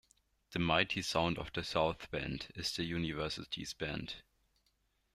The Mighty Sound of the South Band is the university's band.